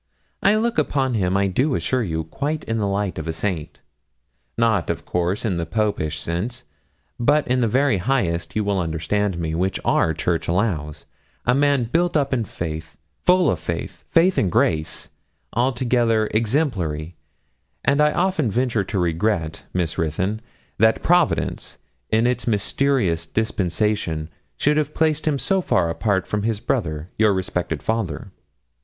I look upon him, I do assure you, quite in the light of a saint; not, of course, in the Popish sense, but in the very highest, you will understand me, which our Church allows, a man built up in faith full of faith faith and grace altogether exemplary; and I often ventured to regret, Miss Ruthyn, that Providence in its mysterious dispensations should have placed him so far apart from his brother, your respected father.